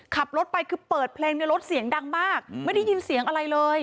ขับรถไปคือเปิดเพลงในรถเสียงดังมากไม่ได้ยินเสียงอะไรเลย